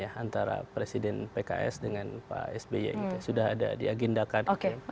antara presiden pks dengan pak sby sudah ada diagendakan